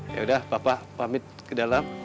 yaudah bapak pamit ke dalam